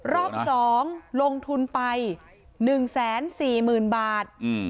รอบสองลงทุนไปหนึ่งแสนสี่หมื่นบาท